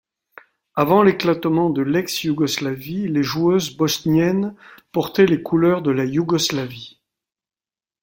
Avant l'éclatement de l'ex-Yougoslavie, les joueuses bosniennes portaient les couleurs de la Yougoslavie.